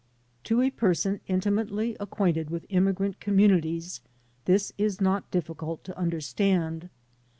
To a person intimately acquainted with immigrant communi ties this is not difficult to understand.